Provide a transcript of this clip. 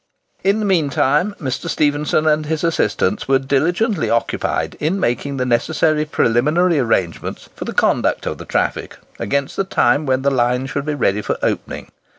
In the mean time Mr. Stephenson and his assistants were diligently occupied in making the necessary preliminary arrangements for the conduct of the traffic against the time when the line should be ready for opening.